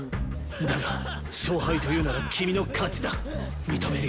だが勝敗というなら君の「勝ち」だ認めるよ。